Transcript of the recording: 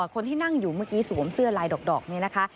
คนที่นั่งอยู่เมื่อกี้สวมเสื้อลายดอกนี่นะคะ